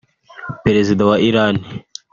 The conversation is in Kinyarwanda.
Perezida wa Iran